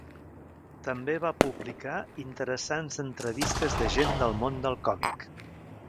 També va publicar interessants entrevistes de gent del món del còmic.